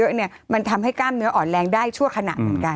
โดนเข้าไปเยอะเนี่ยมันทำให้ก้ามเนื้ออ่อนแรงได้ชั่วขนาดเหมือนกัน